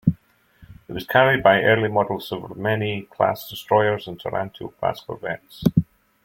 It was carried by early-model "Sovremenny"-class destroyers and "Tarantul"-class corvettes.